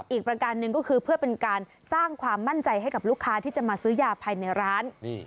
อีกประการหนึ่งก็คือเพื่อเป็นการสร้างความมั่นใจให้กับลูกค้าที่จะมาซื้อยาภายในร้าน